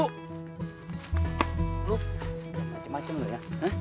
lu ngeliat macem macem gak ya